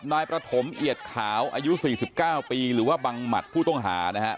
นายประถมเอียดขาวอายุ๔๙ปีหรือว่าบังหมัดผู้ต้องหานะฮะ